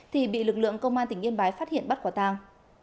thì bị lực lượng công an tỉnh yên bái phát hiện bắt quả tàng